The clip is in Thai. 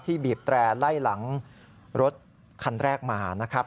บีบแตร่ไล่หลังรถคันแรกมานะครับ